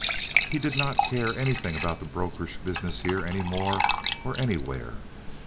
He did not care anything about the brokerage business here any more or anywhere.